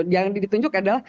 yang ditunjuk adalah